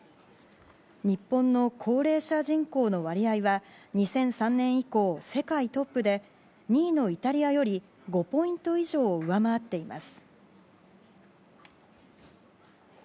日本の高齢者人口の割合は２００３年以降、世界トップで２位のイタリアより５ポイント以上、上回っています。